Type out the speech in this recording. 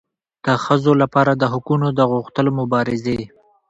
د ښځو لپاره د حقونو د غوښتلو مبارزې